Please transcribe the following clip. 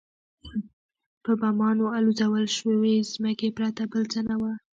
په بمانو الوزول شوې ځمکې پرته بل څه نه وو.